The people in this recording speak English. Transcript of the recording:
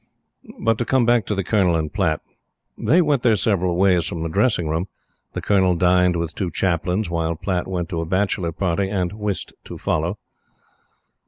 But to come back to the Colonel and Platte. They went their several ways from the dressing room. The Colonel dined with two Chaplains, while Platte went to a bachelor party, and whist to follow.